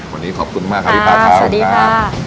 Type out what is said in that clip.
วันนี้ขอบคุณมากครับสวัสดีค่ะสวัสดีค่ะ